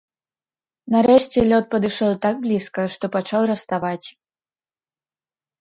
Нарэшце лёд падышоў так блізка, што пачаў раставаць.